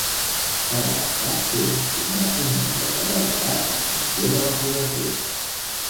Cada estat té assignat un nombre de delegats en funció de la població.